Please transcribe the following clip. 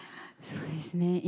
そうですね。